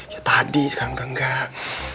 ya tadi sekarang nggak